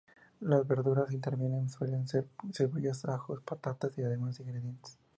Las verduras intervinientes suelen ser cebollas, ajos, patatas, y demás ingredientes.